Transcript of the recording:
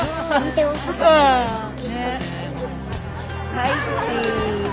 はいチーズ！